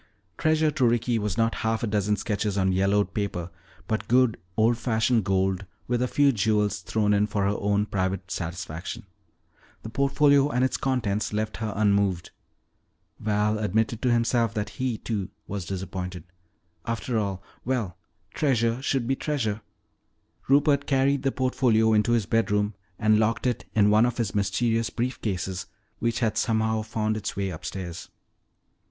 Treasure to Ricky was not half a dozen sketches on yellowed paper but good old fashioned gold with a few jewels thrown in for her own private satisfaction. The portfolio and its contents left her unmoved. Val admitted to himself that he, too, was disappointed. After all well, treasure should be treasure. Rupert carried the portfolio into his bedroom and locked it in one of his mysterious brief cases which had somehow found its way upstairs.